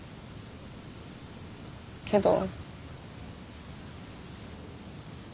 けど。